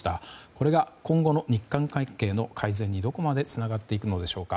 これが今後の日韓関係の改善にどこまでつながっていくのでしょうか。